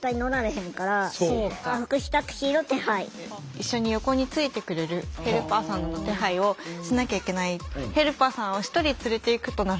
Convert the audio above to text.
一緒に横についてくれるヘルパーさんの手配をしなきゃいけない。